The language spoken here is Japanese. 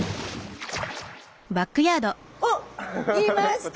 おっいました。